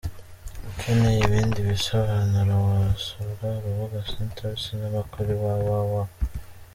Ukeneye ibindi bisobanuro wasura urubuga Century Cinema kuri www.